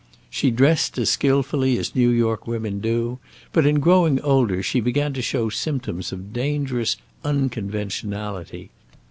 She dressed as skilfully as New York women do, but in growing older she began to show symptoms of dangerous unconventionality.